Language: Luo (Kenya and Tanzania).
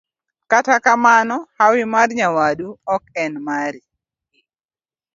Kata kamano, hawi mar nyawadu ok en mari.